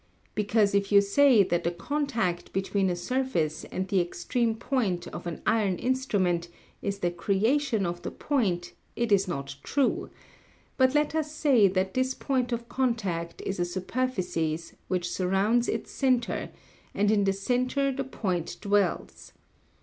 Because if you say that the contact between a surface and the extreme point of an iron instrument is the creation of the point, it is not true; but let us say that this point of contact is a superficies which surrounds its centre, and in the centre the point dwells.